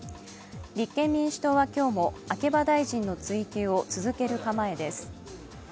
立憲民主党は今日も秋葉大臣の追及を続ける構えです。